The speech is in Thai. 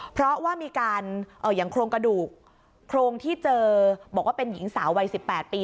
เพราะว่ามีการอย่างโครงกระดูกโครงที่เจอบอกว่าเป็นหญิงสาววัย๑๘ปี